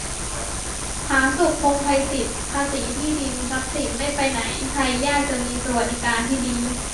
ผาสุก พงษ์ไพจิตร : ภาษีที่ดิน-ทรัพย์สินไม่ไปไหน ไทยยากจะมีสวัสดิการที่ดี